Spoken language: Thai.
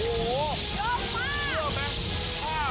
โฟถูกเข้ามา